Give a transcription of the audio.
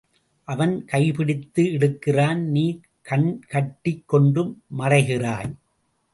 அவன் கைப்பிடித்து இழுக்கிறான் நீ கண் கட்டிக் கொண்டு மறைகிறாய்.